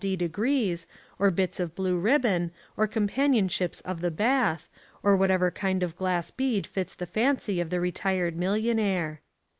D. degrees, or bits of blue ribbon, or companionships of the Bath, or whatever kind of glass bead fits the fancy of the retired millionaire.